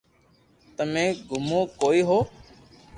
تمي گمو ڪوي ھو